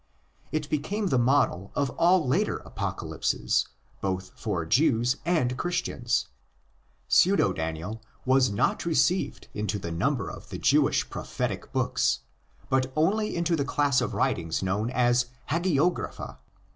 It became the model of all later apocalypses, both for Jews and Christians. Pseudo Daniel was not received into the number of the Jewish prophetic books, but only into the class of writings known as Hagiographa.